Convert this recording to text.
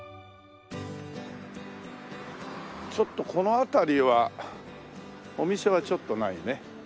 ちょっとこの辺りはお店はちょっとないね。